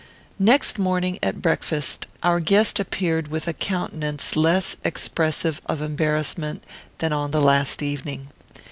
Next morning, at breakfast, our guest appeared with a countenance less expressive of embarrassment than on the last evening.